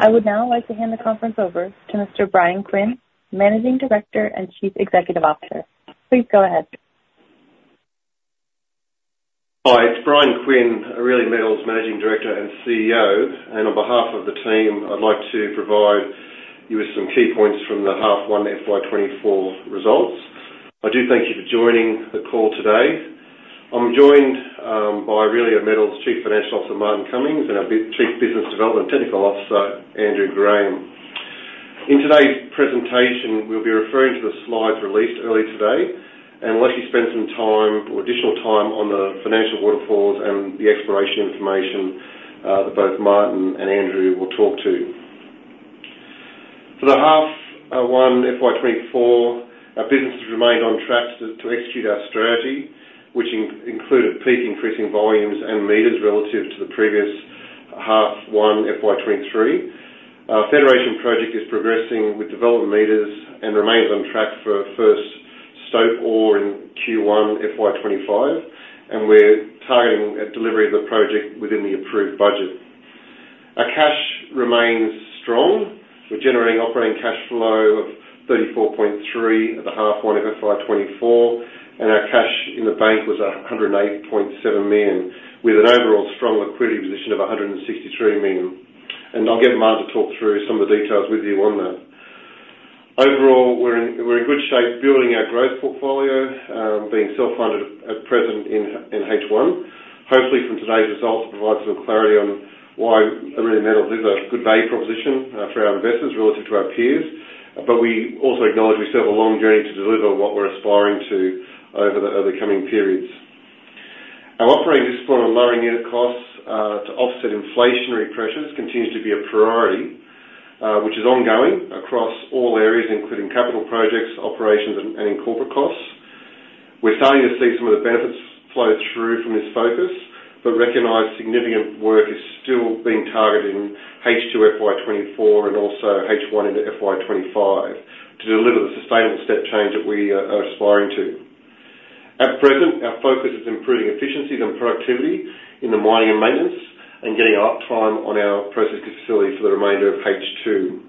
I would now like to hand the conference over to Mr. Bryan Quinn, Managing Director and Chief Executive Officer. Please go ahead. Hi. It's Bryan Quinn, Aurelia Metals Managing Director and CEO. On behalf of the team, I'd like to provide you with some key points from the Half One FY24 results. I do thank you for joining the call today. I'm joined by Aurelia Metals Chief Financial Officer Martin Cummings and Chief Development and Technical Officer Andrew Graham. In today's presentation, we'll be referring to the slides released earlier today, and we'll actually spend some time or additional time on the financial waterfalls and the exploration information that both Martin and Andrew will talk to. For the Half One FY24, our business has remained on track to execute our strategy, which included Peak increasing volumes and meters relative to the previous Half One FY23. Our Federation Project is progressing with development meters and remains on track for first stope ore in Q1 FY2025, and we're targeting delivery of the project within the approved budget. Our cash remains strong. We're generating operating cash flow of 34.3 million in H1 FY2024, and our cash in the bank was 108.7 million, with an overall strong liquidity position of 163 million. I'll get Martin to talk through some of the details with you on that. Overall, we're in good shape building our growth portfolio, being self-funded at present in H1. Hopefully, from today's results, it provides some clarity on why Aurelia Metals is a good value proposition for our investors relative to our peers. But we also acknowledge we still have a long journey to deliver what we're aspiring to over the coming periods. Our operating discipline on lowering unit costs to offset inflationary pressures continues to be a priority, which is ongoing across all areas, including capital projects, operations, and corporate costs. We're starting to see some of the benefits flow through from this focus, but recognize significant work is still being targeted in H2 FY24 and also H1 into FY25 to deliver the sustainable step change that we are aspiring to. At present, our focus is improving efficiencies and productivity in the mining and maintenance and getting uptime on our processing facility for the remainder of H2.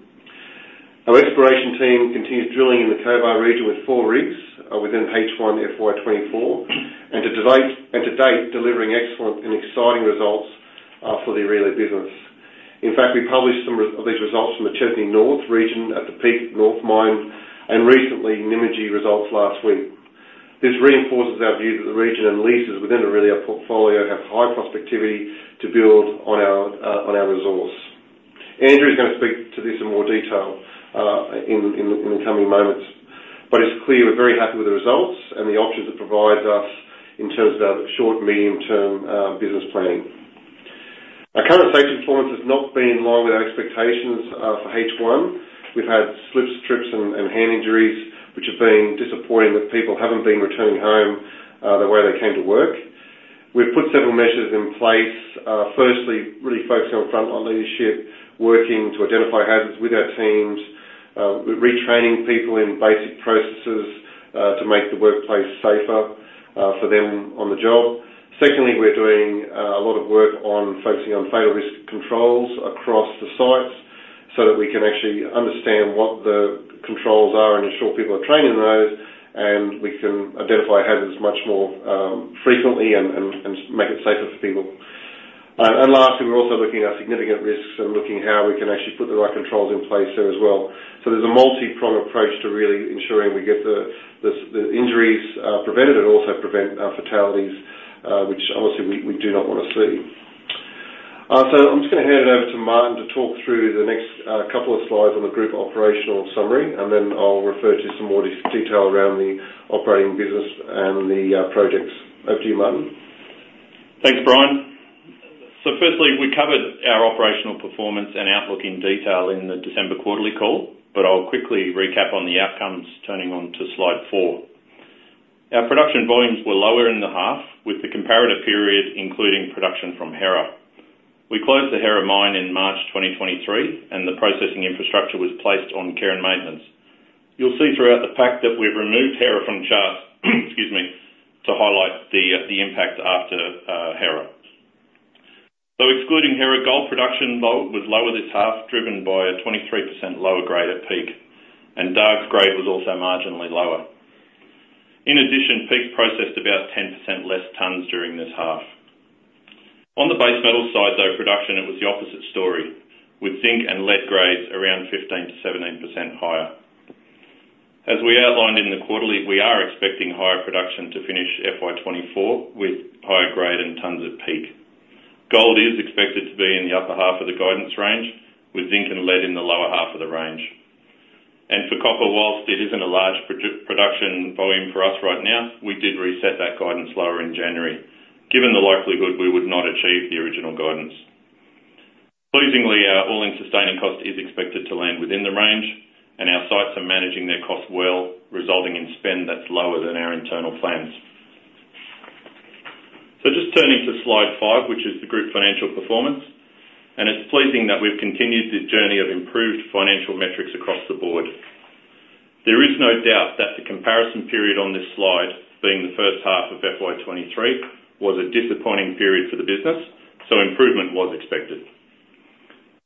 Our exploration team continues drilling in the Cobar region with four rigs within H1 FY24 and to date delivering excellent and exciting results for the Aurelia business. In fact, we published some of these results from the Chesney North region at the Peak Mine and recently Nymagee results last week. This reinforces our view that the region and leases within Aurelia portfolio have high prospectivity to build on our resource. Andrew is going to speak to this in more detail in the coming moments. But it's clear we're very happy with the results and the options it provides us in terms of our short, medium-term business planning. Our current safety performance has not been in line with our expectations for H1. We've had slips, trips, and hand injuries, which have been disappointing that people haven't been returning home the way they came to work. We've put several measures in place. Firstly, really focusing on frontline leadership, working to identify hazards with our teams, retraining people in basic processes to make the workplace safer for them on the job. Secondly, we're doing a lot of work focusing on fatal risk controls across the sites so that we can actually understand what the controls are and ensure people are trained in those, and we can identify hazards much more frequently and make it safer for people. Lastly, we're also looking at significant risks and looking at how we can actually put the right controls in place there as well. There's a multi-prong approach to really ensuring we get the injuries prevented and also prevent fatalities, which obviously we do not want to see. I'm just going to hand it over to Martin to talk through the next couple of slides on the group operational summary, and then I'll refer to some more detail around the operating business and the projects. Over to you, Martin. Thanks, Bryan. So firstly, we covered our operational performance and outlook in detail in the December quarterly call, but I'll quickly recap on the outcomes turning on to slide 4. Our production volumes were lower in the half with the comparative period including production from Hera. We closed the Hera Mine in March 2023, and the processing infrastructure was placed on care and maintenance. You'll see throughout the pack that we've removed Hera from chart - excuse me - to highlight the impact after Hera. So excluding Hera, gold production was lower this half, driven by a 23% lower grade at Peak, and Dargues grade was also marginally lower. In addition, Peak's processed about 10% less tonnes during this half. On the base metal side, though, production, it was the opposite story, with zinc and lead grades around 15%-17% higher. As we outlined in the quarterly, we are expecting higher production to finish FY2024 with higher grade and tonnes at Peak. Gold is expected to be in the upper half of the guidance range, with zinc and lead in the lower half of the range. And for copper, while it isn't a large production volume for us right now, we did reset that guidance lower in January, given the likelihood we would not achieve the original guidance. Pleasingly, our all-in sustaining cost is expected to land within the range, and our sites are managing their costs well, resulting in spend that's lower than our internal plans. So just turning to slide 5, which is the group financial performance. And it's pleasing that we've continued this journey of improved financial metrics across the board. There is no doubt that the comparison period on this slide, being the first half of FY23, was a disappointing period for the business, so improvement was expected.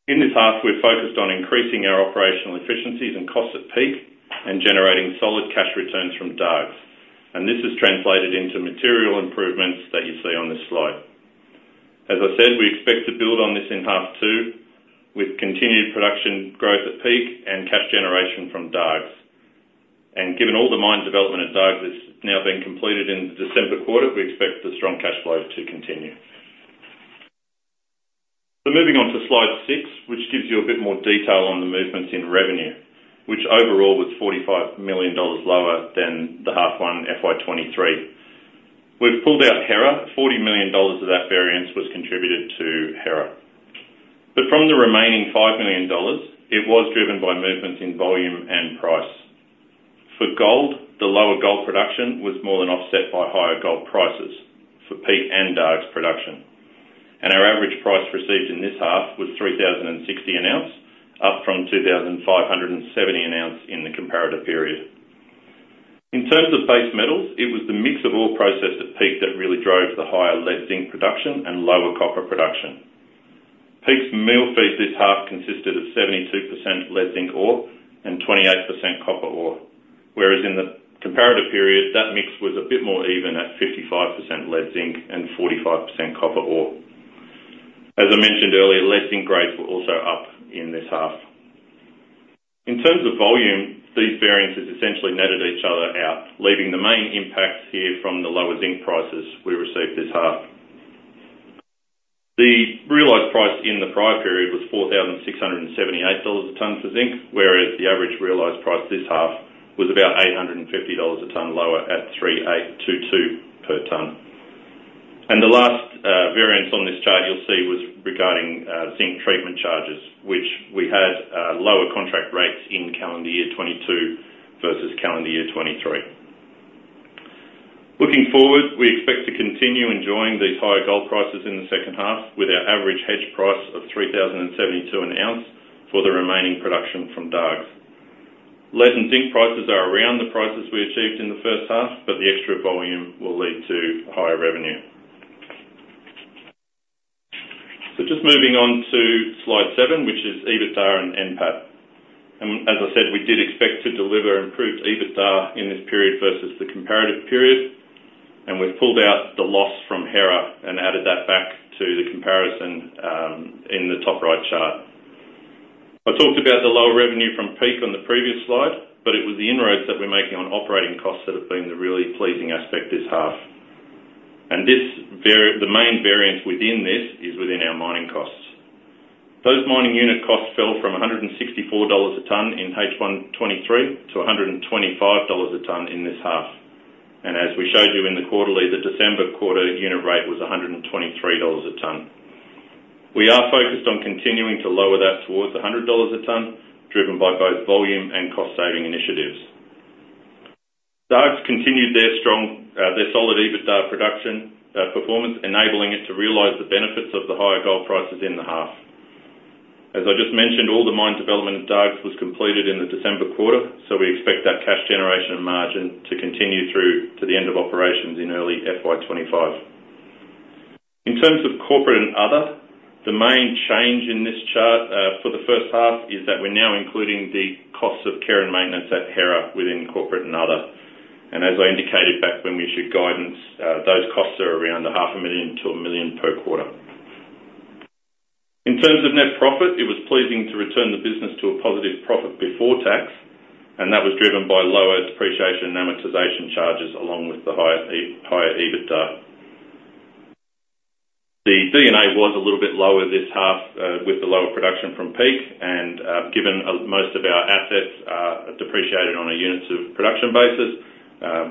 In this half, we're focused on increasing our operational efficiencies and costs at Peak and generating solid cash returns from Dargues. This is translated into material improvements that you see on this slide. As I said, we expect to build on this in half two with continued production growth at Peak and cash generation from Dargues. Given all the mine development at Dargues that's now been completed in the December quarter, we expect the strong cash flow to continue. Moving on to slide six, which gives you a bit more detail on the movements in revenue, which overall was 45 million dollars lower than the Half One FY23. We've pulled out Hera. 40 million of that variance was contributed to Hera. But from the remaining 5 million dollars, it was driven by movements in volume and price. For gold, the lower gold production was more than offset by higher gold prices for Peak and Dargues production. And our average price received in this half was 3,060 an ounce, up from 2,570 an ounce in the comparative period. In terms of base metals, it was the mix of ore processed at Peak that really drove the higher lead-zinc production and lower copper production. Peak's mill feed this half consisted of 72% lead-zinc ore and 28% copper ore, whereas in the comparative period, that mix was a bit more even at 55% lead-zinc and 45% copper ore. As I mentioned earlier, lead-zinc grades were also up in this half. In terms of volume, these variances essentially netted each other out, leaving the main impact here from the lower zinc prices we received this half. The realized price in the prior period was 4,678 dollars a tonne for zinc, whereas the average realized price this half was about 850 dollars a tonne lower at 3,822 per tonne. The last variance on this chart you'll see was regarding zinc treatment charges, which we had lower contract rates in calendar year 2022 versus calendar year 2023. Looking forward, we expect to continue enjoying these higher gold prices in the second half with our average hedge price of 3,072 an ounce for the remaining production from Dargues. Lead and zinc prices are around the prices we achieved in the first half, but the extra volume will lead to higher revenue. Just moving on to slide 7, which is EBITDA and NPAT. As I said, we did expect to deliver improved EBITDA in this period versus the comparative period. We've pulled out the loss from Hera and added that back to the comparison in the top right chart. I talked about the lower revenue from Peak on the previous slide, but it was the inroads that we're making on operating costs that have been the really pleasing aspect this half. The main variance within this is within our mining costs. Those mining unit costs fell from $164 a tonne in H1 2023 to $125 a tonne in this half. As we showed you in the quarterly, the December quarter unit rate was $123 a tonne. We are focused on continuing to lower that towards $100 a tonne, driven by both volume and cost-saving initiatives. Dargues continued their solid EBITDA production performance, enabling it to realize the benefits of the higher gold prices in the half. As I just mentioned, all the mine development at Dargues was completed in the December quarter, so we expect that cash generation margin to continue through to the end of operations in early FY25. In terms of corporate and other, the main change in this chart for the first half is that we're now including the costs of care and maintenance at Hera within corporate and other. And as I indicated back when we issued guidance, those costs are around 500,000-1 million per quarter. In terms of net profit, it was pleasing to return the business to a positive profit before tax, and that was driven by lower depreciation and amortization charges along with the higher EBITDA. The D&A was a little bit lower this half with the lower production from Peak. Given most of our assets are depreciated on a units of production basis,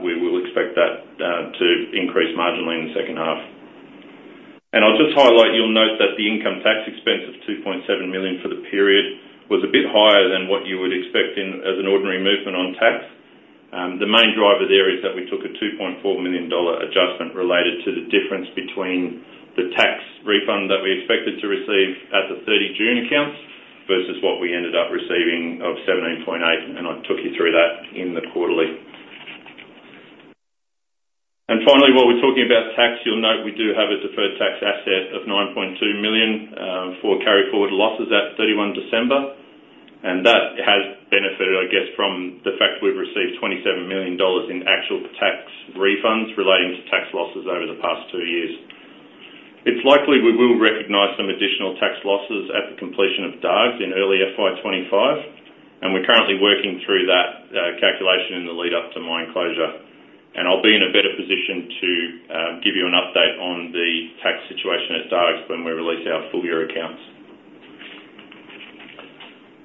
we will expect that to increase marginally in the second half. I'll just highlight, you'll note that the income tax expense of 2.7 million for the period was a bit higher than what you would expect as an ordinary movement on tax. The main driver there is that we took a 2.4 million dollar adjustment related to the difference between the tax refund that we expected to receive at the 30 June accounts versus what we ended up receiving of 17.8 million. I took you through that in the quarterly. Finally, while we're talking about tax, you'll note we do have a deferred tax asset of 9.2 million for carry-forward losses at 31 December. And that has benefited, I guess, from the fact we've received 27 million dollars in actual tax refunds relating to tax losses over the past two years. It's likely we will recognise some additional tax losses at the completion of Dargues in early FY25, and we're currently working through that calculation in the lead-up to mine closure. And I'll be in a better position to give you an update on the tax situation at Dargues when we release our full year accounts.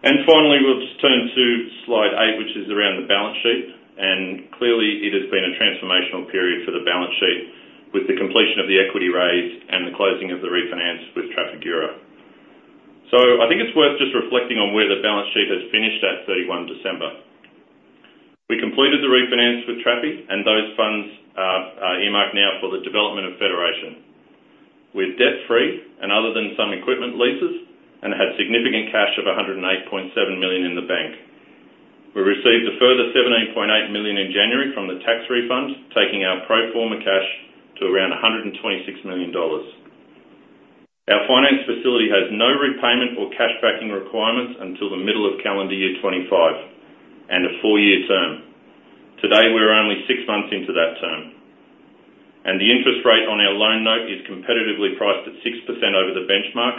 And finally, we'll just turn to slide eight, which is around the balance sheet. And clearly, it has been a transformational period for the balance sheet with the completion of the equity raise and the closing of the refinance with Trafigura. So I think it's worth just reflecting on where the balance sheet has finished at 31 December. We completed the refinance with Trafigura, and those funds are earmarked now for the development of Federation. We're debt-free and other than some equipment leases and had significant cash of 108.7 million in the bank. We received a further 17.8 million in January from the tax refund, taking our pro forma cash to around 126 million dollars. Our finance facility has no repayment or cash backing requirements until the middle of calendar year 2025 and a four-year term. Today, we're only six months into that term. And the interest rate on our loan note is competitively priced at 6% over the benchmark,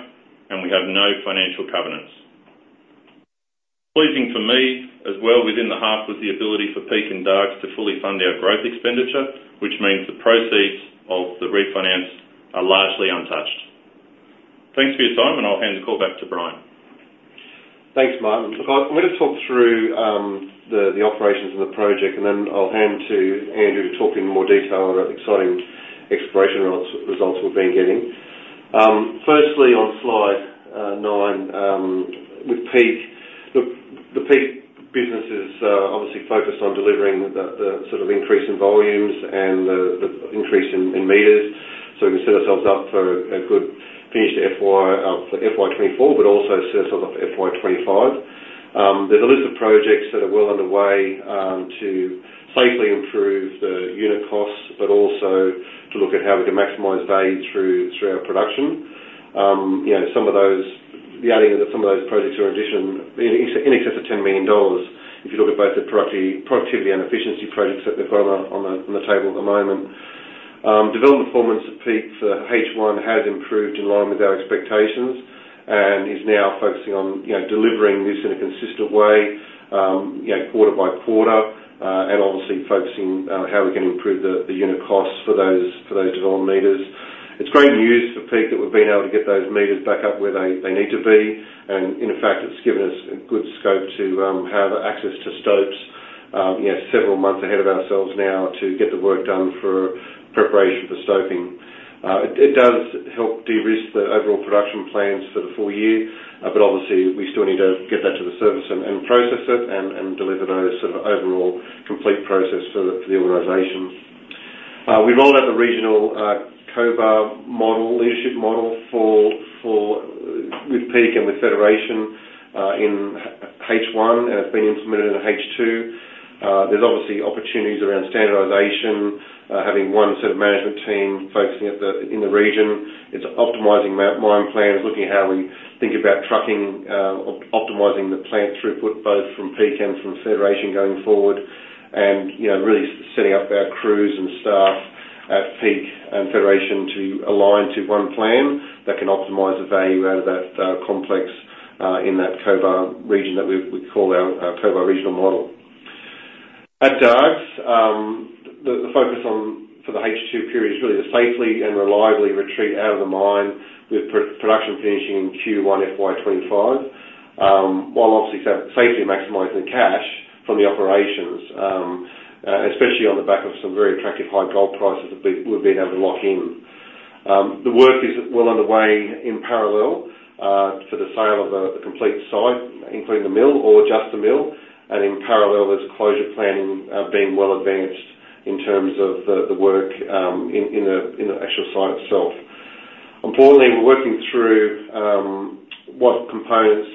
and we have no financial covenants. Pleasing for me as well within the half was the ability for Peak and Dargues to fully fund our growth expenditure, which means the proceeds of the refinance are largely untouched. Thanks for your time, and I'll hand the call back to Bryan. Thanks, Martin. Look, I'm going to talk through the operations and the project, and then I'll hand to Andrew to talk in more detail on the exciting exploration results we've been getting. Firstly, on slide 9 with Peak, look, the Peak business is obviously focused on delivering the sort of increase in volumes and the increase in meters so we can set ourselves up for a good finished FY24 but also set ourselves up for FY25. There's a list of projects that are well underway to safely improve the unit costs but also to look at how we can maximize value through our production. Some of those the adding that some of those projects are in addition in excess of 10 million dollars if you look at both the productivity and efficiency projects that they've got on the table at the moment. Development performance at Peak for H1 has improved in line with our expectations and is now focusing on delivering this in a consistent way quarter by quarter and obviously focusing on how we can improve the unit costs for those development meters. It's great news for Peak that we've been able to get those meters back up where they need to be. And in fact, it's given us good scope to have access to stopes several months ahead of ourselves now to get the work done for preparation for stoping. It does help de-risk the overall production plans for the full year, but obviously, we still need to get that to the service and process it and deliver those sort of overall complete process for the organization. We rolled out the regional Cobar leadership model with Peak and with Federation in H1, and it's been implemented in H2. There's obviously opportunities around standardization, having one set of management teams focusing in the region. It's optimizing mine plans, looking at how we think about trucking, optimizing the plant throughput both from Peak and from Federation going forward, and really setting up our crews and staff at Peak and Federation to align to one plan that can optimize the value out of that complex in that Cobar region that we call our Cobar Regional Model. At Dargues, the focus for the H2 period is really the safely and reliably retreat out of the mine with production finishing in Q1 FY25 while obviously safely maximizing the cash from the operations, especially on the back of some very attractive high gold prices that we've been able to lock in. The work is well underway in parallel for the sale of the complete site, including the mill or just the mill. In parallel, there's closure planning being well advanced in terms of the work in the actual site itself. Importantly, we're working through what components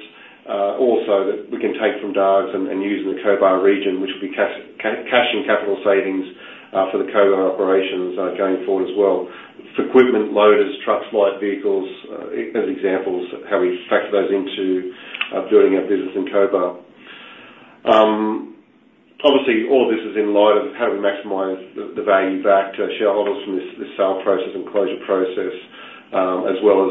also that we can take from Dargues and use in the Cobar region, which will be cash and capital savings for the Cobar operations going forward as well. Equipment, loaders, trucks, light vehicles as examples, how we factor those into building our business in Cobar. Obviously, all of this is in light of how do we maximize the value back to shareholders from this sale process and closure process as well as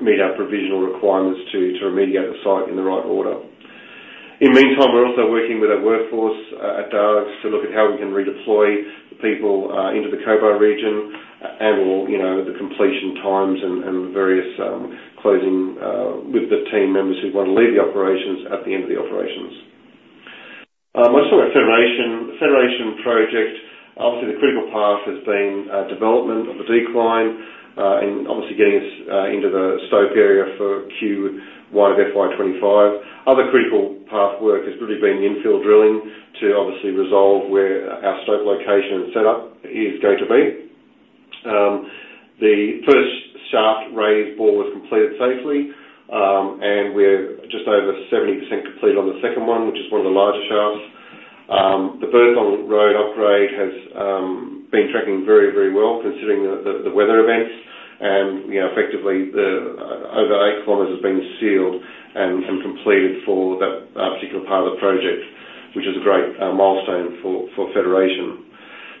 meet our provisional requirements to remediate the site in the right order. In the meantime, we're also working with our workforce at Dargues to look at how we can redeploy the people into the Cobar region and/or the completion times and various closing with the team members who want to leave the operations at the end of the operations. I just talked about Federation. The Federation Project, obviously, the critical path has been development of the decline and obviously getting us into the stope area for Q1 of FY25. Other critical path work has really been infield drilling to obviously resolve where our stope location and setup is going to be. The first shaft raise bore was completed safely, and we're just over 70% complete on the second one, which is one of the larger shafts. The Burthong Road upgrade has been tracking very, very well considering the weather events. Effectively, over 8 kilometers has been sealed and completed for that particular part of the project, which is a great milestone for Federation.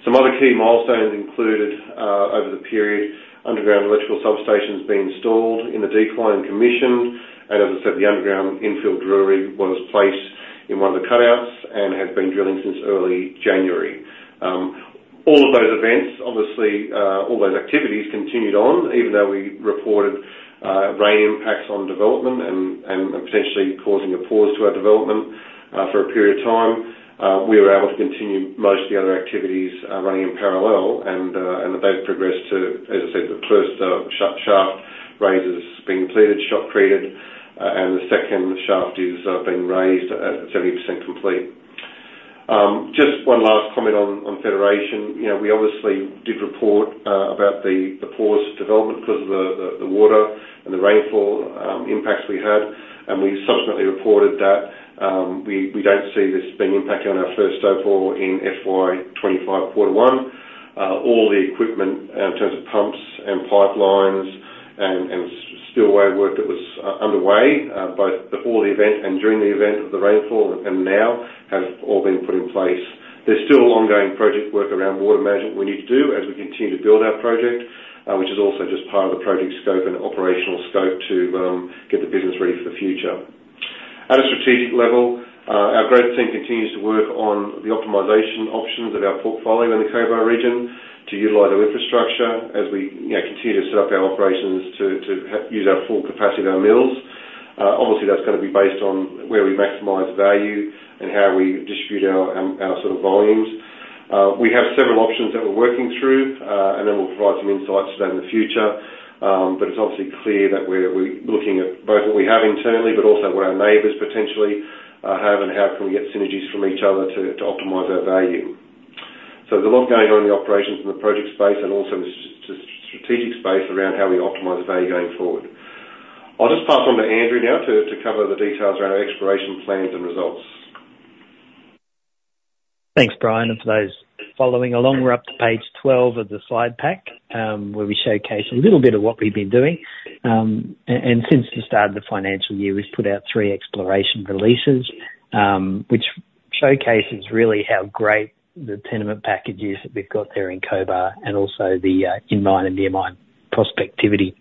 Some other key milestones included over the period, underground electrical substations being installed in the decline and commissioned. As I said, the underground infield drill drive was placed in one of the cutouts and has been drilling since early January. All of those events, obviously, all those activities continued on even though we reported rain impacts on development and potentially causing a pause to our development for a period of time. We were able to continue most of the other activities running in parallel, and they've progressed to, as I said, the first shaft raise has been completed, stope created, and the second shaft is being raised at 70% complete. Just one last comment on Federation. We obviously did report about the pause development because of the water and the rainfall impacts we had. We subsequently reported that we don't see this being impacting on our first stope ore in FY25 quarter one. All the equipment in terms of pumps and pipelines and spillway work that was underway both before the event and during the event of the rainfall, and now have all been put in place. There's still ongoing project work around water management we need to do as we continue to build our project, which is also just part of the project scope and operational scope to get the business ready for the future. At a strategic level, our growth team continues to work on the optimization options of our portfolio in the Cobar region to utilize our infrastructure as we continue to set up our operations to use our full capacity of our mills. Obviously, that's going to be based on where we maximize value and how we distribute our sort of volumes. We have several options that we're working through, and then we'll provide some insights today and the future. But it's obviously clear that we're looking at both what we have internally but also what our neighbours potentially have and how can we get synergies from each other to optimize our value. So there's a lot going on in the operations and the project space and also in the strategic space around how we optimize value going forward. I'll just pass on to Andrew now to cover the details around our exploration plans and results. Thanks, Bryan. For those following along, we're up to page 12 of the slide pack where we showcase a little bit of what we've been doing. Since the start of the financial year, we've put out three exploration releases, which showcases really how great the tenement packages that we've got there in Cobar and also in-mine and near-mine prospectivity.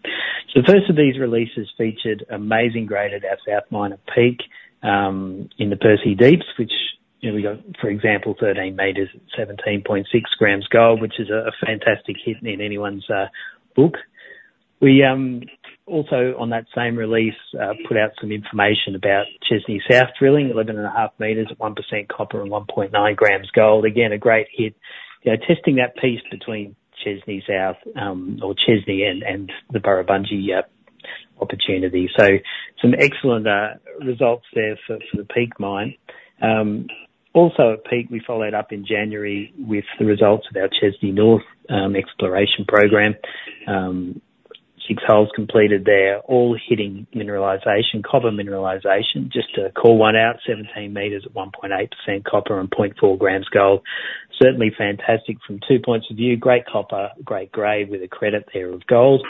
So the first of these releases featured amazing grade at our South Mine at Peak in the Perseus Deeps, which we got, for example, 13 meters at 17.6 grams gold, which is a fantastic hit in anyone's book. We also, on that same release, put out some information about Chesney South drilling, 11.5 meters at 1% copper and 1.9 grams gold. Again, a great hit, testing that piece between Chesney South or Chesney and the Burrabungie opportunity. So some excellent results there for the Peak Mine. Also at Peak, we followed up in January with the results of our Chesney North exploration program. 6 holes completed there, all hitting mineralization, copper mineralization. Just to call one out, 17 meters at 1.8% copper and 0.4 grams gold. Certainly fantastic from two points of view. Great copper, great grade with a credit there of gold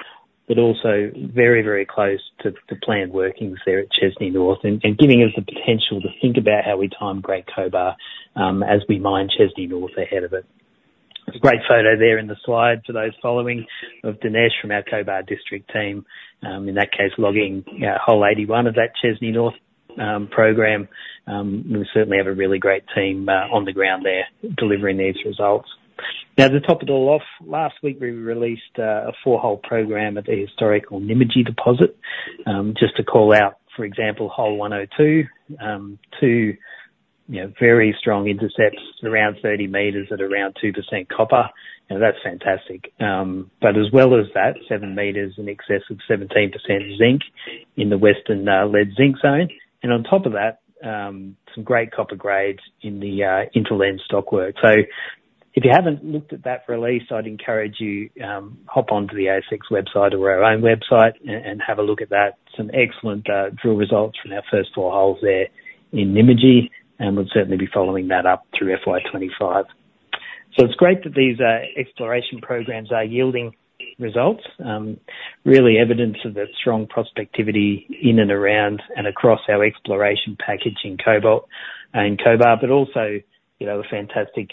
but also very, very close to planned workings there at Chesney North and giving us the potential to think about how we time Great Cobar as we mine Chesney North ahead of it. There's a great photo there in the slide for those following of Dinesh from our Cobar district team, in that case, logging hole 81 of that Chesney North program. We certainly have a really great team on the ground there delivering these results. Now, to top it all off, last week, we released a 4-hole program at the historical Nymagee Deposit. Just to call out, for example, hole 102, two very strong intercepts around 30 meters at around 2% copper. That's fantastic. But as well as that, 7 meters in excess of 17% zinc in the Western Lead-Zinc Zone. And on top of that, some great copper grades in the inter-lens stockwork. So if you haven't looked at that release, I'd encourage you hop onto the ASX website or our own website and have a look at that. Some excellent drill results from our first 4 holes there in Nymagee. And we'll certainly be following that up through FY25. So it's great that these exploration programs are yielding results, really evidence of that strong prospectivity in and around and across our exploration package in Cobar but also a fantastic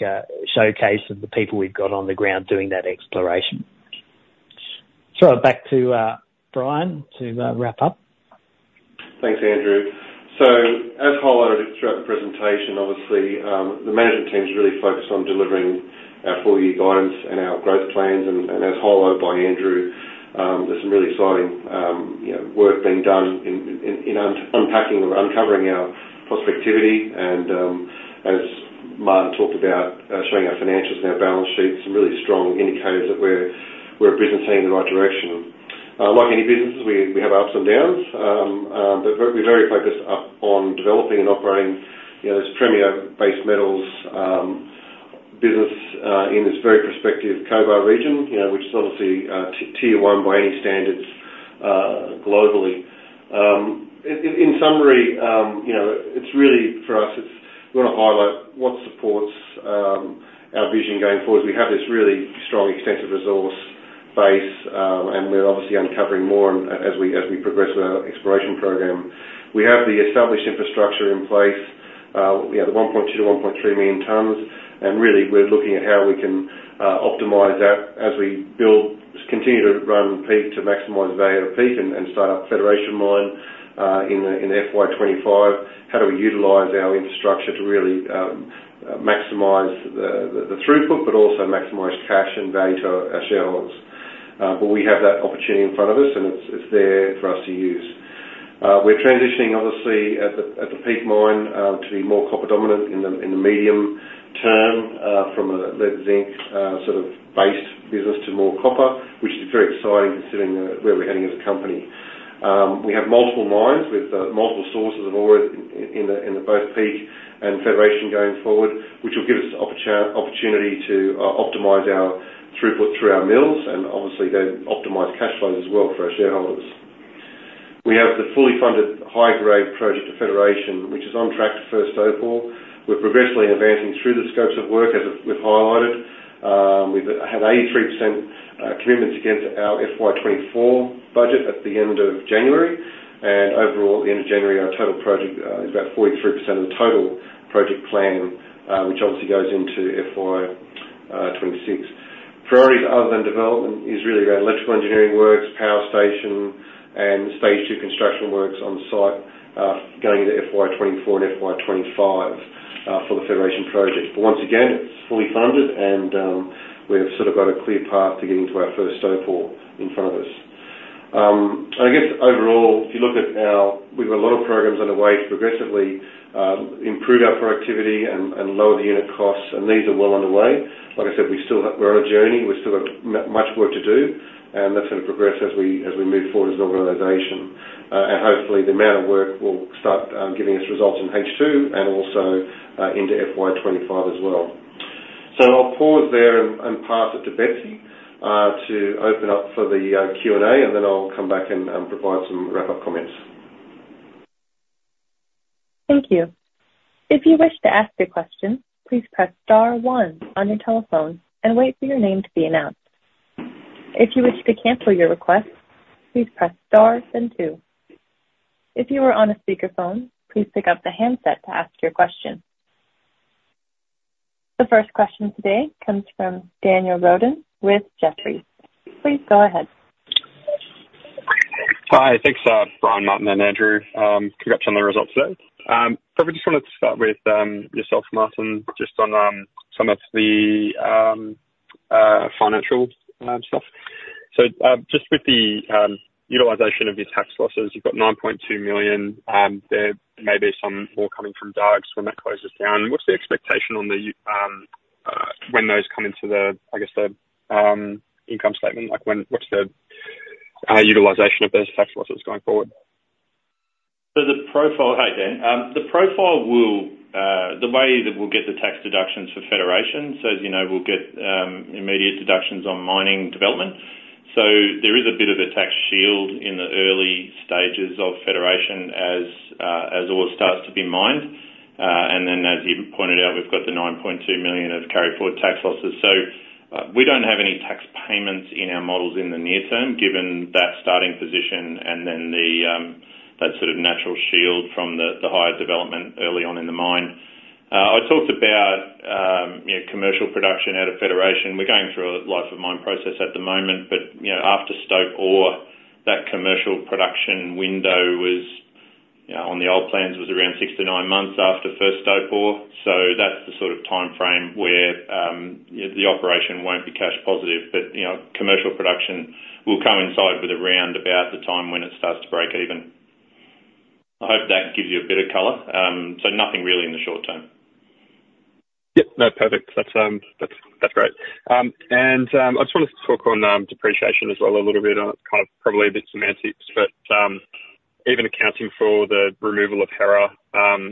showcase of the people we've got on the ground doing that exploration. Throw it back to Bryan to wrap up. Thanks, Andrew. So as we noted throughout the presentation, obviously, the management team's really focused on delivering our four-year guidance and our growth plans. And as highlighted by Andrew, there's some really exciting work being done in unpacking or uncovering our prospectivity. And as Martin talked about, showing our financials and our balance sheets, some really strong indicators that we're a business heading in the right direction. Like any businesses, we have our ups and downs. But we're very focused on developing and operating this premier base metals business in this very prospective Cobar region, which is obviously tier one by any standards globally. In summary, for us, we want to highlight what supports our vision going forward. We have this really strong extensive resource base, and we're obviously uncovering more as we progress with our exploration program. We have the established infrastructure in place, the 1.2-1.3 million tonnes. And really, we're looking at how we can optimize that as we continue to run Peak to maximize value at Peak and start up Federation Mine in FY25. How do we utilize our infrastructure to really maximize the throughput but also maximize cash and value to our shareholders? But we have that opportunity in front of us, and it's there for us to use. We're transitioning, obviously, at the Peak Mine to be more copper dominant in the medium term from a lead-zinc sort of based business to more copper, which is very exciting considering where we're heading as a company. We have multiple mines with multiple sources of ore in both Peak and Federation going forward, which will give us the opportunity to optimize our throughput through our mills and obviously then optimize cash flows as well for our shareholders. We have the fully funded high-grade project at Federation, which is on track to first stope ore. We're progressively advancing through the scopes of work as we've highlighted. We've had 83% commitments against our FY24 budget at the end of January. And overall, at the end of January, our total project is about 43% of the total project plan, which obviously goes into FY26. Priorities other than development is really around electrical engineering works, power station, and stage two construction works on site going into FY24 and FY25 for the Federation Project. But once again, it's fully funded, and we've sort of got a clear path to getting to our first stope ore in front of us. And I guess overall, if you look at our we've got a lot of programs underway to progressively improve our productivity and lower the unit costs. And these are well underway. Like I said, we're on a journey. We still got much work to do, and that's going to progress as we move forward as an organization. And hopefully, the amount of work will start giving us results in H2 and also into FY2025 as well. So I'll pause there and pass it to Betsy to open up for the Q&A, and then I'll come back and provide some wrap-up comments. Thank you. If you wish to ask a question, please press star one on your telephone and wait for your name to be announced. If you wish to cancel your request, please press star, then two. If you are on a speakerphone, please pick up the handset to ask your question. The first question today comes from Daniel Roden with Jefferies. Please go ahead. Hi. Thanks, Bryan, Martin, and Andrew for catching on the results today. Perfect. Just wanted to start with yourself, Martin, just on some of the financial stuff. So just with the utilization of these tax losses, you've got 9.2 million. There may be some more coming from Dargues when that closes down. What's the expectation on the when those come into the, I guess, the income statement? What's the utilization of those tax losses going forward? So the profile, Hey, Dan. The profile will be the way that we'll get the tax deductions for Federation, so as you know, we'll get immediate deductions on mining development. So there is a bit of a tax shield in the early stages of Federation as ore starts to be mined. And then as you pointed out, we've got the 9.2 million of carried-forward tax losses. So we don't have any tax payments in our models in the near term given that starting position and then that sort of natural shield from the higher development early on in the mine. I talked about commercial production out of Federation. We're going through a life-of-mine process at the moment. But after stope ore, that commercial production window on the old plans was around 6-9 months after first stope ore. So that's the sort of timeframe where the operation won't be cash positive. But commercial production will come inside with around about the time when it starts to break even. I hope that gives you a bit of color. So nothing really in the short term. Yep. No, perfect. That's great. And I just wanted to talk on depreciation as well a little bit. It's kind of probably a bit semantics. But even accounting for the removal of Hera, I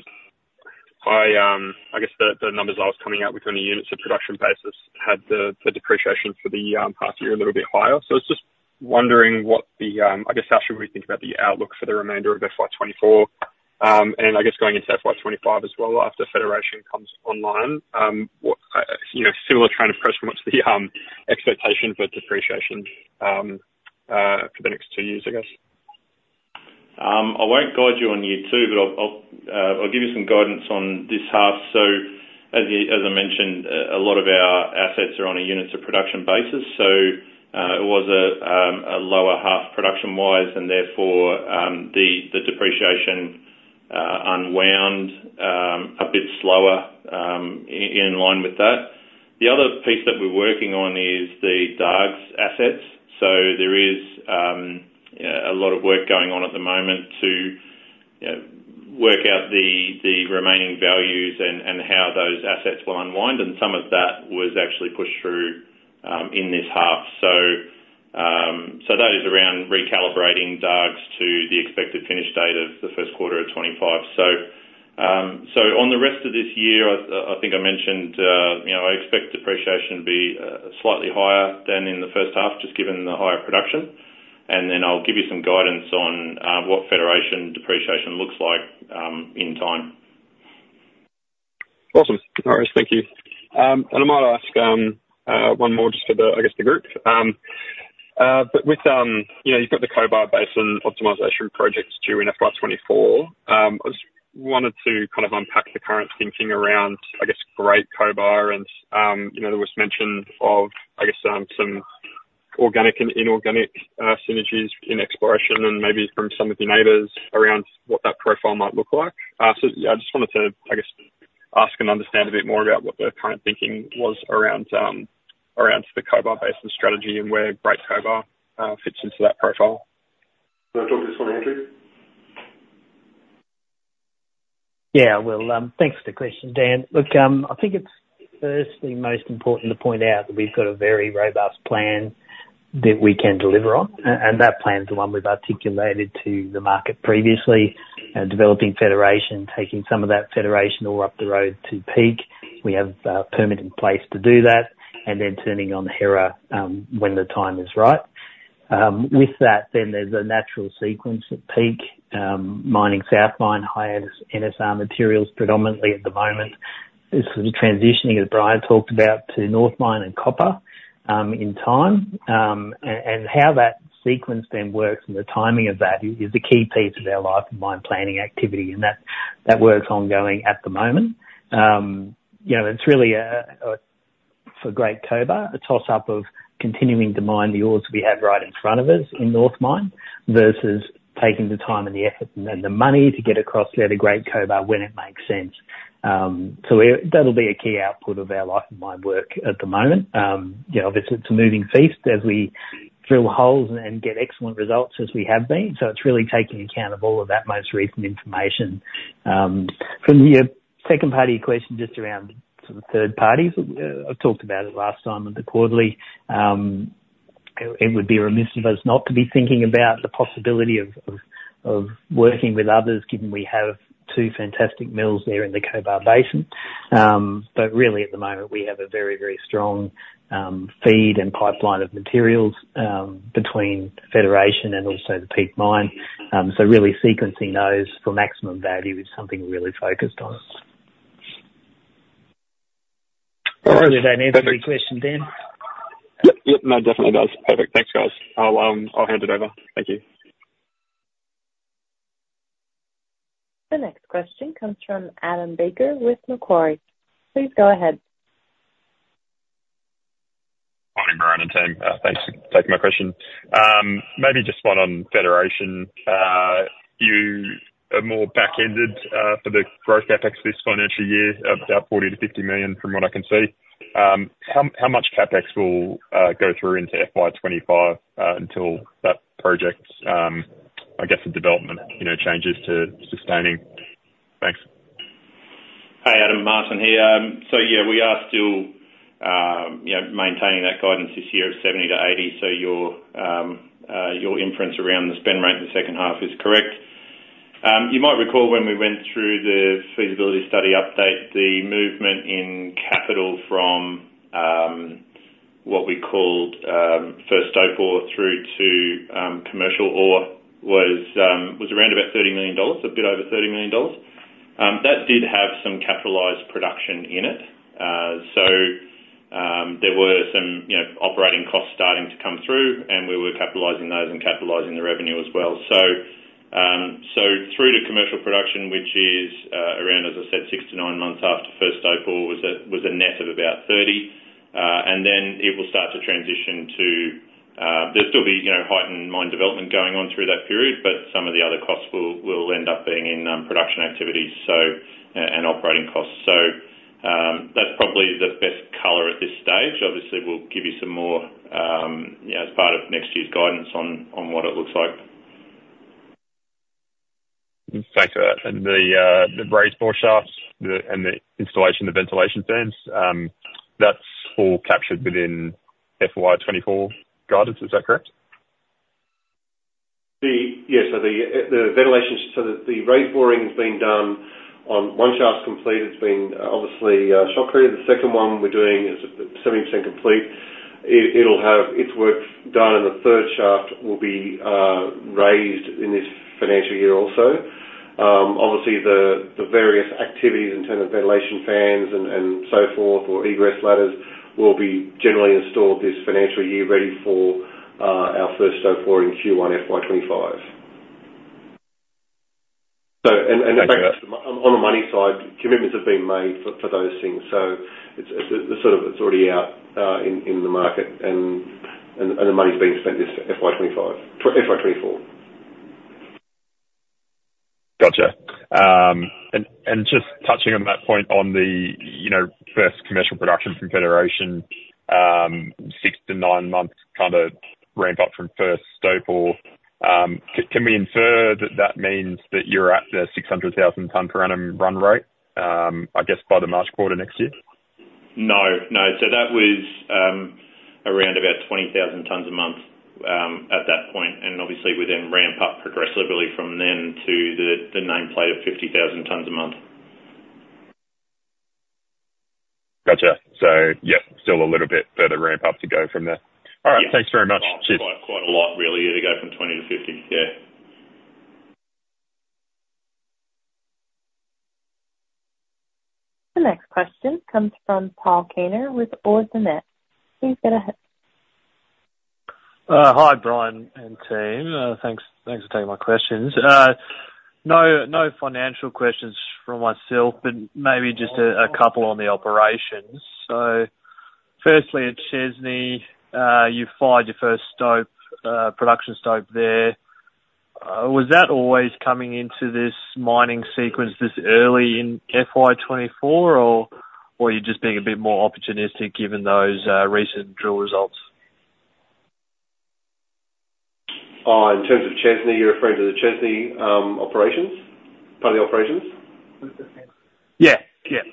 guess the numbers I was coming out with on the units of production basis had the depreciation for the past year a little bit higher. So I was just wondering what, I guess, how should we think about the outlook for the remainder of FY2024? And I guess going into FY2025 as well after Federation comes online, similar trend of pressure match the expectation for depreciation for the next two years, I guess? I won't guide you on year two, but I'll give you some guidance on this half. So as I mentioned, a lot of our assets are on a units of production basis. So it was a lower half production-wise, and therefore, the depreciation unwound a bit slower in line with that. The other piece that we're working on is the Dargues assets. So there is a lot of work going on at the moment to work out the remaining values and how those assets will unwind. And some of that was actually pushed through in this half. So that is around recalibrating Dargues to the expected finish date of the first quarter of 2025. So on the rest of this year, I think I mentioned I expect depreciation to be slightly higher than in the first half just given the higher production. And then I'll give you some guidance on what Federation depreciation looks like in time. Awesome. All right. Thank you. And I might ask one more just for the, I guess, the group. But with you've got the Cobar-based optimization projects due in FY24, I just wanted to kind of unpack the current thinking around, I guess, Great Cobar. And there was mention of, I guess, some organic and inorganic synergies in exploration and maybe from some of your neighbors around what that profile might look like. So yeah, I just wanted to, I guess, ask and understand a bit more about what the current thinking was around the Cobar-based strategy and where Great Cobar fits into that profile. Can I talk to this one, Andrew? Yeah. Well, thanks for the question, Dan. Look, I think it's firstly most important to point out that we've got a very robust plan that we can deliver on. And that plan's the one we've articulated to the market previously. Developing Federation, taking some of that Federation ore up the road to Peak. We have permits in place to do that and then turning on Hera when the time is right. With that, then there's a natural sequence at Peak. Mining South Mine, high NSR materials predominantly at the moment. It's sort of transitioning, as Bryan talked about, to North Mine and copper in time. And how that sequence then works and the timing of that is a key piece of our life-of-mine planning activity. And that works ongoing at the moment. It's really, for Great Cobar, a toss-up of continuing to mine the ores that we have right in front of us in New Cobar versus taking the time and the effort and the money to get across there to Great Cobar when it makes sense. So that'll be a key output of our life-of-mine work at the moment. Obviously, it's a moving feast as we drill holes and get excellent results as we have been. So it's really taking account of all of that most recent information. From your second part question just around sort of third parties, I've talked about it last time with the quarterly. It would be remiss of us not to be thinking about the possibility of working with others given we have two fantastic mills there in the Cobar Basin. Really, at the moment, we have a very, very strong feed and pipeline of materials between Federation and also the Peak Mine. Really sequencing those for maximum value is something we're really focused on. All right. Is there any other question, Dan? Yep. No, definitely does. Perfect. Thanks, guys. I'll hand it over. Thank you. The next question comes from Adam Baker with Macquarie. Please go ahead. Morning, Bryan and team. Thanks for taking my question. Maybe just spot on Federation. You are more back-ended for the growth CapEx this financial year, about 40 million-50 million from what I can see. How much CapEx will go through into FY25 until that project, I guess, the development changes to sustaining? Thanks. Hi, Adam. Martin here. So yeah, we are still maintaining that guidance this year of 70-80. So your inference around the spend rate in the second half is correct. You might recall when we went through the feasibility study update, the movement in capital from what we called first stope ore through to commercial ore was around about 30 million dollars, a bit over 30 million dollars. That did have some capitalized production in it. So there were some operating costs starting to come through, and we were capitalizing those and capitalizing the revenue as well. So through to commercial production, which is around, as I said, 6-9 months after first stope ore, was a net of about 30 million. And then it will start to transition to there'll still be heightened mine development going on through that period, but some of the other costs will end up being in production activities and operating costs. So that's probably the best color at this stage. Obviously, we'll give you some more as part of next year's guidance on what it looks like. Thanks for that. The raise bore shafts and the installation of the ventilation fans, that's all captured within FY24 guidance. Is that correct? Yes. So the ventilation, so the raise boring has been done. 1 shaft's complete. It's been obviously shotcreted. The second one we're doing is 70% complete. Its work done in the third shaft will be raised in this financial year also. Obviously, the various activities in terms of ventilation fans and so forth or egress ladders will be generally installed this financial year ready for our first stope ore in Q1 FY2025. And on the money side, commitments have been made for those things. So it's sort of it's already out in the market, and the money's being spent this FY2024. Gotcha. Just touching on that point on the first commercial production from Federation, 6-9-month kind of ramp-up from first stope ore, can we infer that that means that you're at the 600,000-ton per annum run rate, I guess, by the March quarter next year? No. No. So that was around about 20,000 tonnes a month at that point. Obviously, we then ramp up progressively from then to the nameplate of 50,000 tonnes a month. Gotcha. So yep, still a little bit further ramp-up to go from there. All right. Thanks very much. Cheers. Quite a lot, really, to go from 20 to 50. Yeah. The next question comes from Paul Kaner with Ord Minnett. Please go ahead. Hi, Bryan and team. Thanks for taking my questions. No financial questions from myself, but maybe just a couple on the operations. So firstly, at Chesney, you fired your first production stope there. Was that always coming into this mining sequence this early in FY24, or were you just being a bit more opportunistic given those recent drill results? In terms of Chesney, you're referring to the Chesney operations, part of the operations? Yeah. Yeah.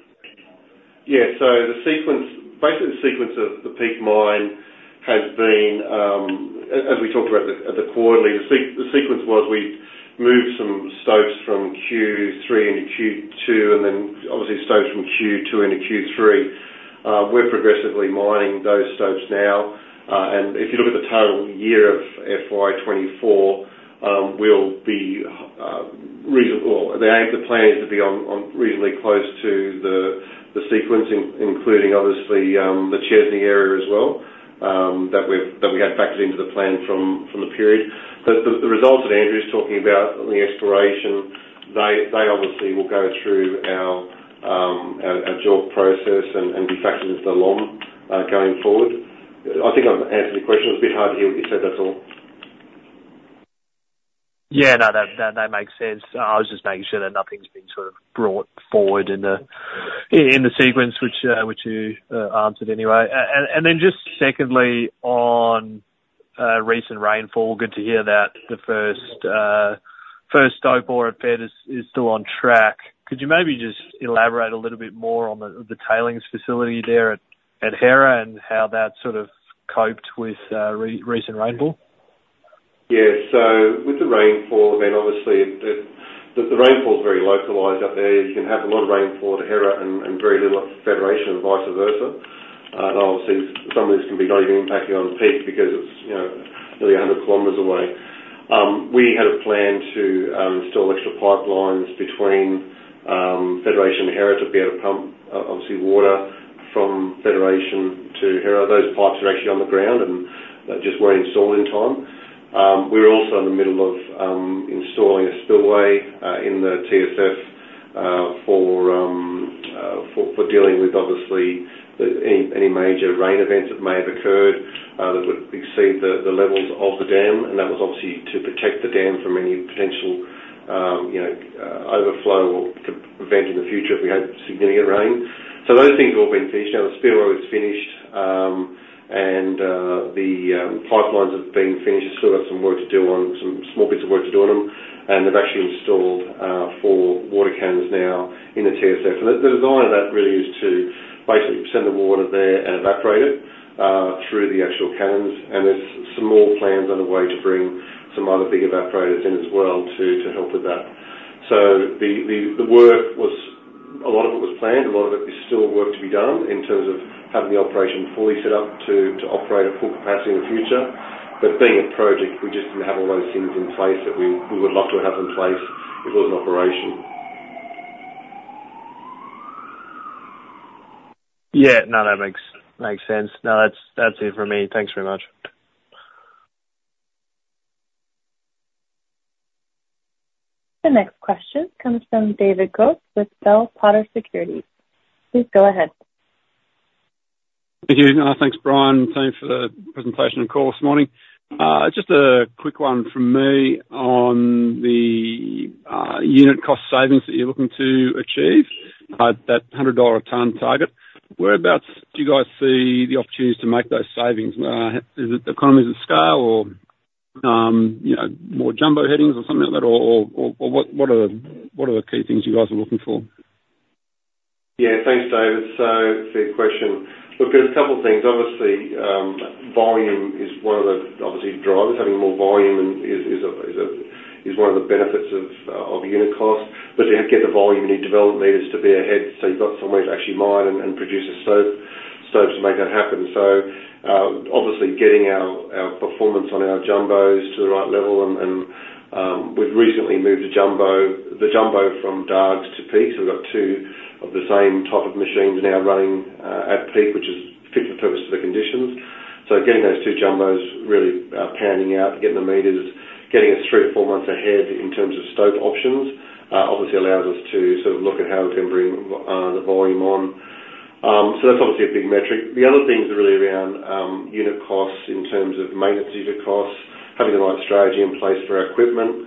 Yeah. So basically, the sequence of the Peak Mine has been as we talked about at the quarterly, the sequence was we moved some stopes from Q3 into Q2 and then obviously stopes from Q2 into Q3. We're progressively mining those stopes now. And if you look at the total year of FY24, we'll be well, the plan is to be on reasonably close to the sequence, including obviously the Chesney area as well that we had factored into the plan from the period. But the results that Andrew's talking about on the exploration, they obviously will go through our JORC process and be factored into the LOM going forward. I think I've answered your question. It was a bit hard to hear what you said. That's all. Yeah. No, that makes sense. I was just making sure that nothing's been sort of brought forward in the sequence, which you answered anyway. And then just secondly, on recent rainfall, good to hear that the first raise bore at Fed is still on track. Could you maybe just elaborate a little bit more on the tailings facility there at Hera and how that sort of coped with recent rainfall? Yes. So with the rainfall, then obviously, the rainfall's very localised up there. You can have a lot of rainfall at Hera and very little at Federation and vice versa. And obviously, some of this can be not even impacting on Peak because it's nearly 100 kilometers away. We had a plan to install extra pipelines between Federation and Hera to be able to pump, obviously, water from Federation to Hera. Those pipes are actually on the ground, and they just weren't installed in time. We were also in the middle of installing a spillway in the TSF for dealing with obviously any major rain events that may have occurred that would exceed the levels of the dam. And that was obviously to protect the dam from any potential overflow or event in the future if we had significant rain. So those things have all been finished. Now, the spillway was finished, and the pipelines have been finished. We still got some work to do on them, some small bits of work to do on them. And they've actually installed 4 water cannons now in the TSF. And the design of that really is to basically send the water there and evaporate it through the actual cannons. And there's some more plans underway to bring some other big evaporators in as well to help with that. So the work was a lot of it was planned. A lot of it is still work to be done in terms of having the operation fully set up to operate at full capacity in the future. But being a project, we just didn't have all those things in place that we would love to have in place if it was an operation. Yeah. No, that makes sense. No, that's it for me. Thanks very much. The next question comes from David Coates with Bell Potter Securities. Please go ahead. Thank you. Thanks, Bryan and team, for the presentation and call this morning. Just a quick one from me on the unit cost savings that you're looking to achieve, that 100 dollar a tonne target. Do you guys see the opportunities to make those savings? Is it economies of scale or more jumbo headings or something like that? Or what are the key things you guys are looking for? Yeah. Thanks, David. So it's a good question. Look, there's a couple of things. Obviously, volume is one of the obviously drivers. Having more volume is one of the benefits of unit cost. But to get the volume, you need development meters to be ahead. So you've got somewhere to actually mine and produce a stope to make that happen. So obviously, getting our performance on our jumbos to the right level. And we've recently moved the jumbo from Dargues to Peak. So we've got two of the same type of machines now running at Peak, which is fit for purpose to the conditions. So getting those two jumbos really pounding out, getting the meters, getting us three or four months ahead in terms of stope options, obviously allows us to sort of look at how we can bring the volume on. So that's obviously a big metric. The other things are really around unit costs in terms of maintenance unit costs, having the right strategy in place for our equipment.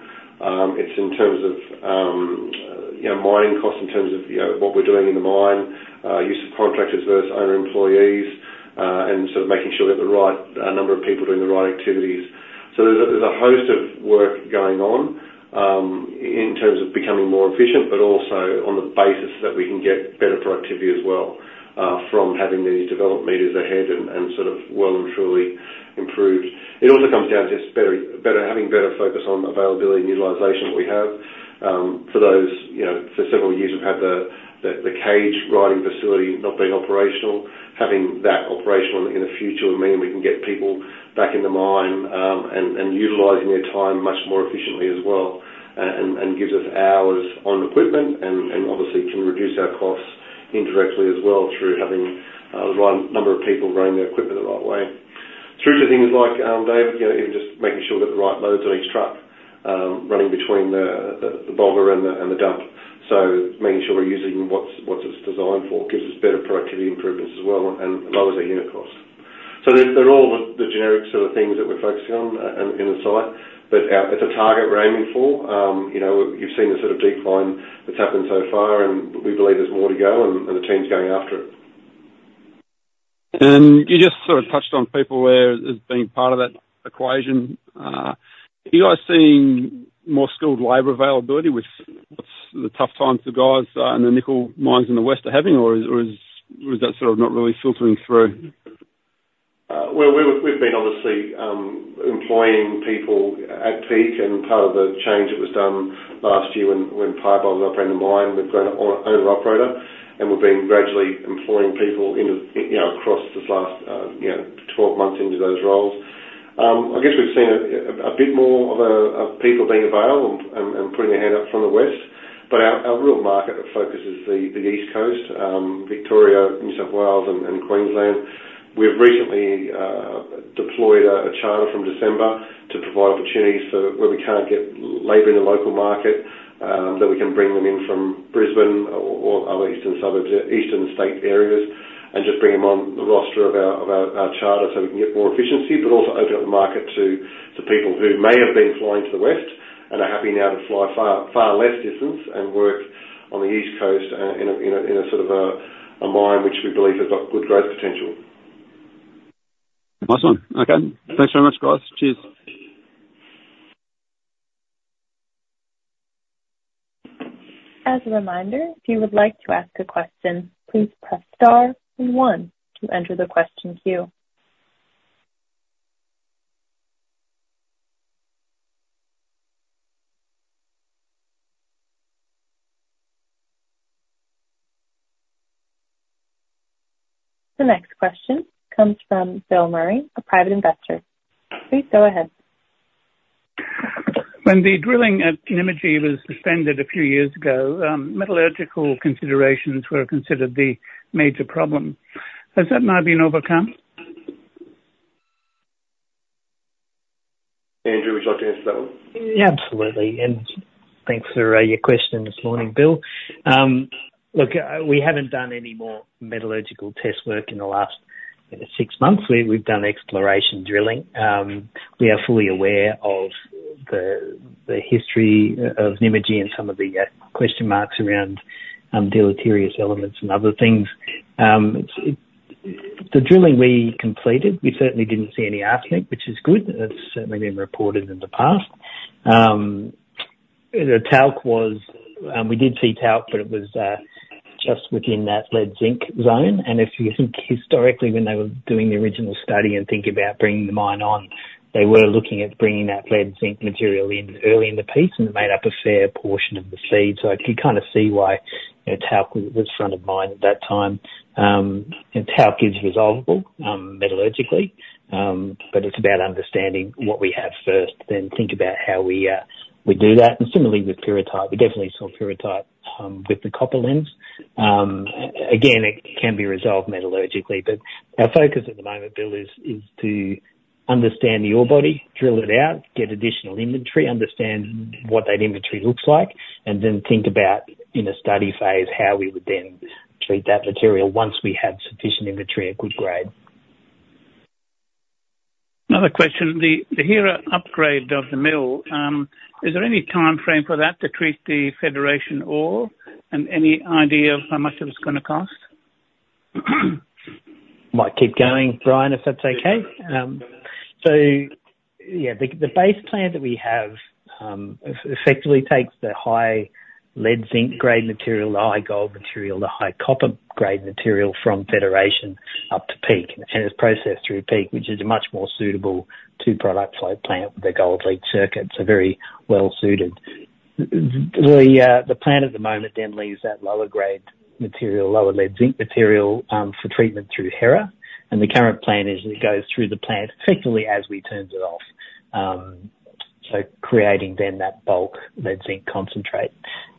It's in terms of mining costs, in terms of what we're doing in the mine, use of contractors versus owner-employees, and sort of making sure we have the right number of people doing the right activities. So there's a host of work going on in terms of becoming more efficient but also on the basis that we can get better productivity as well from having these development meters ahead and sort of well and truly improved. It also comes down to just having better focus on availability and utilization what we have. For several years, we've had the cage riding facility not being operational. Having that operational in the future would mean we can get people back in the mine and utilizing their time much more efficiently as well and gives us hours on equipment and obviously can reduce our costs indirectly as well through having the right number of people running their equipment the right way. Through to things like, David, even just making sure we've got the right loads on each truck running between the bogger and the dump. So making sure we're using what it's designed for gives us better productivity improvements as well and lowers our unit cost. So they're all the generic sort of things that we're focusing on in the site. But it's a target we're aiming for. You've seen the sort of decline that's happened so far, and we believe there's more to go, and the team's going after it. And you just sort of touched on people as being part of that equation. Are you guys seeing more skilled labor availability with the tough times the guys in the nickel mines in the west are having, or is that sort of not really filtering through? Well, we've been obviously employing people at Peak. Part of the change that was done last year when Peter Botten opened the mine, we've gone owner-operator. We've been gradually employing people across this last 12 months into those roles. I guess we've seen a bit more of people being available and putting their hand up from the west. But our real market focus is the East Coast, Victoria, New South Wales, and Queensland. We've recently deployed a charter from December to provide opportunities for where we can't get labor in the local market, that we can bring them in from Brisbane or other eastern state areas and just bring them on the roster of our charter so we can get more efficiency but also open up the market to people who may have been flying to the west and are happy now to fly far less distance and work on the East Coast in a sort of a mine which we believe has got good growth potential. Nice one. Okay. Thanks very much, guys. Cheers. As a reminder, if you would like to ask a question, please press star and one to enter the question queue. The next question comes from Bill Murray, a private investor. Please go ahead. When the drilling at Nymagee was suspended a few years ago, metallurgical considerations were considered the major problem. Has that now been overcome? Andrew, would you like to answer that one? Yeah, absolutely. Thanks for your question this morning, Bill. Look, we haven't done any more metallurgical test work in the last six months. We've done exploration drilling. We are fully aware of the history of Nymagee and some of the question marks around deleterious elements and other things. The drilling we completed, we certainly didn't see any arsenic, which is good. That's certainly been reported in the past. We did see talc, but it was just within that lead-zinc zone. And if you think historically, when they were doing the original study and think about bringing the mine on, they were looking at bringing that lead-zinc material in early in the piece, and it made up a fair portion of the feed. So I could kind of see why talc was front of mind at that time. Talc is resolvable metallurgically, but it's about understanding what we have first, then think about how we do that. And similarly with pyrite, we definitely saw pyrite with the copper lens. Again, it can be resolved metallurgically. But our focus at the moment, Bill, is to understand the orebody, drill it out, get additional inventory, understand what that inventory looks like, and then think about in a study phase how we would then treat that material once we had sufficient inventory at good grade. Another question. The Hera upgrade of the mill, is there any timeframe for that to treat the Federation ore and any idea of how much it was going to cost? Might keep going, Bryan, if that's okay. So yeah, the base plant that we have effectively takes the high lead-zinc grade material, the high gold material, the high copper grade material from Federation up to Peak and is processed through Peak, which is a much more suitable two-product flotation plant with a gold-lead circuit. So very well suited. The plant at the moment then leaves that lower grade material, lower lead-zinc material for treatment through Hera. And the current plan is it goes through the plant effectively as we turn it off, so creating then that bulk lead-zinc concentrate.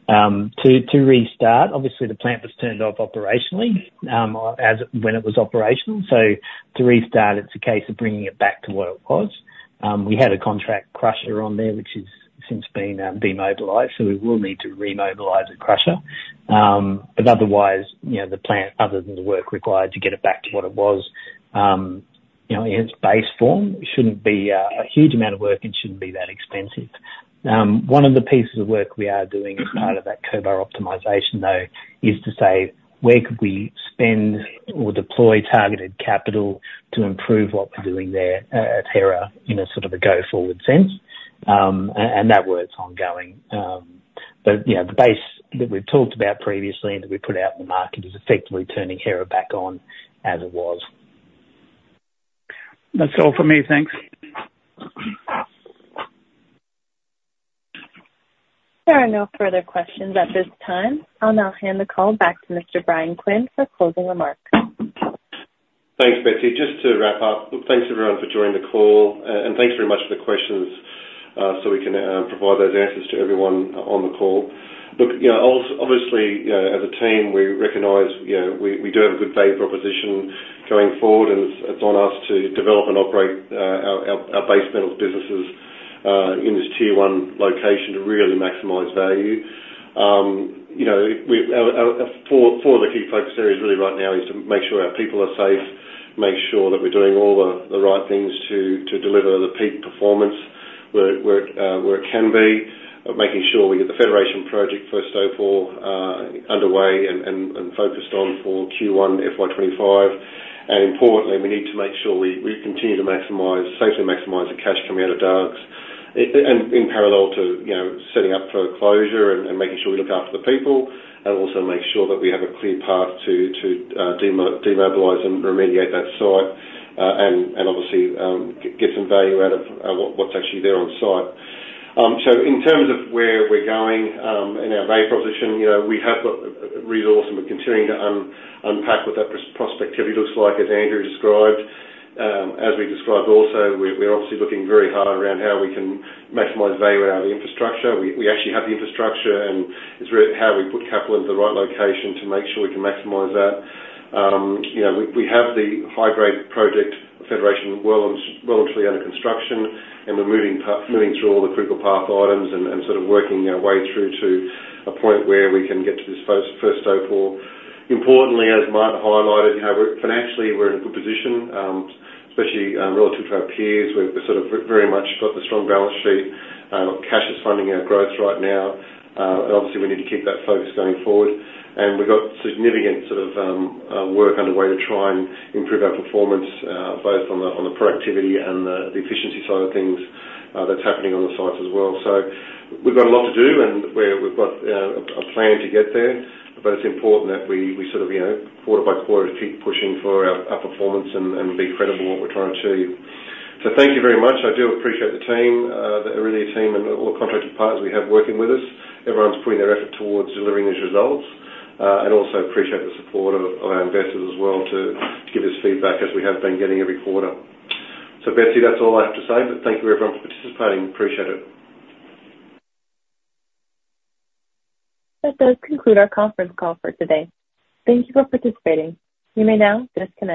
To restart, obviously, the plant was turned off operationally when it was operational. So to restart, it's a case of bringing it back to what it was. We had a contract crusher on there, which has since been demobilized. So we will need to remobilize the crusher. But otherwise, the plant, other than the work required to get it back to what it was in its base form, shouldn't be a huge amount of work and shouldn't be that expensive. One of the pieces of work we are doing as part of that Cobar optimisation, though, is to say where could we spend or deploy targeted capital to improve what we're doing there at Hera in a sort of a go-forward sense. And that work's ongoing. But the base that we've talked about previously and that we put out in the market is effectively turning Hera back on as it was. That's all for me. Thanks. There are no further questions at this time. I'll now hand the call back to Mr. Bryan Quinn for closing remarks. Thanks, Betsy. Just to wrap up, look, thanks everyone for joining the call. Thanks very much for the questions so we can provide those answers to everyone on the call. Look, obviously, as a team, we recognize we do have a good value proposition going forward, and it's on us to develop and operate our base metals businesses in this Tier 1 location to really maximize value. Four of the key focus areas really right now is to make sure our people are safe, make sure that we're doing all the right things to deliver the Peak performance where it can be, making sure we get the Federation Project first ore underway and focused on for Q1 FY 2025. And importantly, we need to make sure we continue to safely maximize the cash coming out of Dargues in parallel to setting up for closure and making sure we look after the people and also make sure that we have a clear path to demobilize and remediate that site and obviously get some value out of what's actually there on site. So in terms of where we're going in our value proposition, we have got resources. We're continuing to unpack what that prospectivity looks like, as Andrew described. As we described also, we're obviously looking very hard around how we can maximize value out of the infrastructure. We actually have the infrastructure, and it's really how we put capital into the right location to make sure we can maximize that. We have the high-grade project, Federation, well into under construction, and we're moving through all the critical path items and sort of working our way through to a point where we can get to this first ore. Importantly, as Martin highlighted, financially, we're in a good position, especially relative to our peers. We've sort of very much got the strong balance sheet. Cash is funding our growth right now. And obviously, we need to keep that focus going forward. And we've got significant sort of work underway to try and improve our performance both on the productivity and the efficiency side of things that's happening on the sites as well. So we've got a lot to do, and we've got a plan to get there. But it's important that we sort of quarter by quarter keep pushing for our performance and be credible what we're trying to achieve. So thank you very much. I do appreciate the team, really a team and all the contracted partners we have working with us. Everyone's putting their effort towards delivering these results. And also appreciate the support of our investors as well to give us feedback as we have been getting every quarter. So Betsy, that's all I have to say. But thank you, everyone, for participating. Appreciate it. That does conclude our conference call for today. Thank you for participating. You may now disconnect.